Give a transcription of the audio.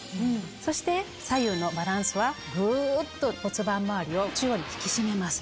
そして左右のバランスはグっと骨盤周りを中央に引き締めます。